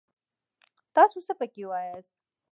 تاڅو څه پکې واياست!